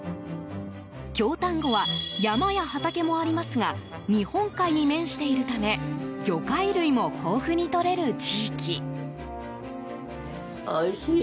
京丹後は、山や畑もありますが日本海に面しているため魚介類も豊富に取れる地域。